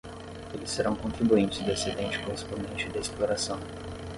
Eles serão contribuintes do excedente correspondente de exploração.